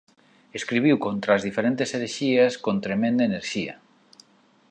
Escribiu contra as diferentes herexías con tremenda enerxía.